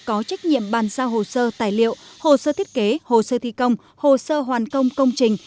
có trách nhiệm bàn giao hồ sơ tài liệu hồ sơ thiết kế hồ sơ thi công hồ sơ hoàn công công trình